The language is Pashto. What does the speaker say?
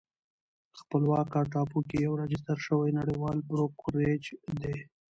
خپلواکه ټاپو کې یو راجستر شوی نړیوال بروکریج دی